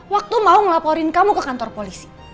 waktu mau melaporin kamu ke kantor polisi